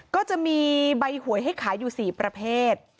ก็จะมีใบหวยให้ขายอยู่๔ประเภท